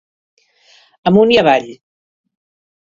Amunt i avall.